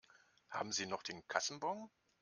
Haben Sie noch den Kassenbon?